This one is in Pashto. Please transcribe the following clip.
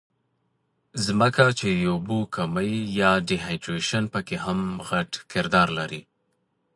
ځکه چې د اوبو کمے يا ډي هائيډرېشن پکښې هم غټ کردار لري